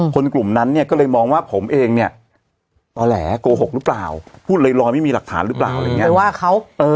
กลุ่มนั้นเนี่ยก็เลยมองว่าผมเองเนี่ยต่อแหลโกหกหรือเปล่าพูดลอยไม่มีหลักฐานหรือเปล่าอะไรอย่างเงี้ย